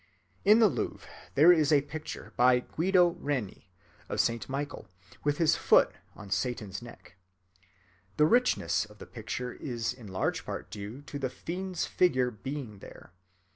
In the Louvre there is a picture, by Guido Reni, of St. Michael with his foot on Satan's neck. The richness of the picture is in large part due to the fiend's figure being there.